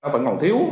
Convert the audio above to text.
vẫn còn thiếu